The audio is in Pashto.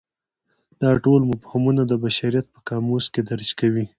دا ټول مفهومونه د بشریت په قاموس کې درج کوي.